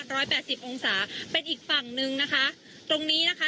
แปดสิบองศาเป็นอีกฝั่งหนึ่งนะคะตรงนี้นะคะ